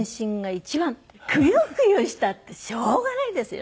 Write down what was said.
くよくよしたってしょうがないですよ。